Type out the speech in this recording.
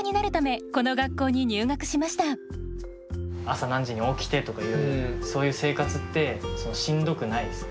朝何時に起きてとかいろいろそういう生活ってしんどくないですか？